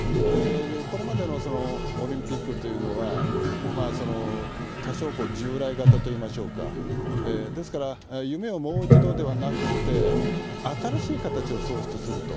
これまでのオリンピックというのは、多少従来型といいましょうか、ですから、夢をもう一度ではなくって、新しい形を創出すると。